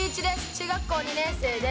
中学校２年生です。